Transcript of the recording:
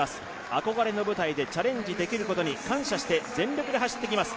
憧れの舞台でチャレンジできることに感謝して全力で走ってきます